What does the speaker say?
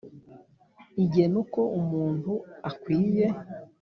igena uko umuntu akwiye